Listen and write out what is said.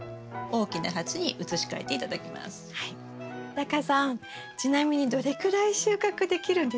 タカさんちなみにどれくらい収穫できるんですか？